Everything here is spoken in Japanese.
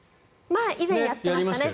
以前やっていましたね。